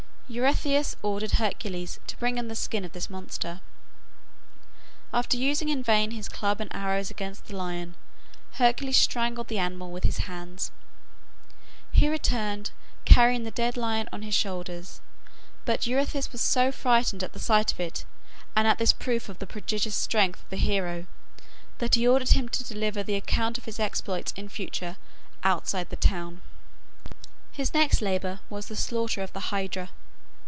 Eurystheus ordered Hercules to bring him the skin of this monster. After using in vain his club and arrows against the lion, Hercules strangled the animal with his hands. He returned carrying the dead lion on his shoulders; but Eurystheus was so frightened at the sight of it and at this proof of the prodigious strength of the hero, that he ordered him to deliver the account of his exploits in future outside the town. His next labor was the slaughter of the Hydra.